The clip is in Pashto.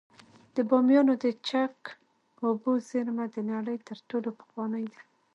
د بامیانو د چک اوبو زیرمه د نړۍ تر ټولو پخوانۍ ده